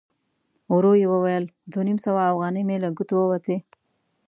ورو يې وویل: دوه نيم سوه اوغانۍ مې له ګوتو ووتې!